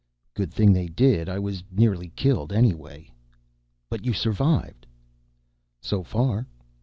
"Good thing they did. I was nearly killed anyway." "But you survived." "So far."